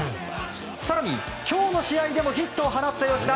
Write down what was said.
更に、今日の試合でもヒットを放った吉田。